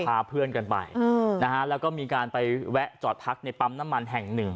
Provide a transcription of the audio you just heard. พาเพื่อนกันไปนะฮะแล้วก็มีการไปแวะจอดพักในปั๊มน้ำมันแห่งหนึ่ง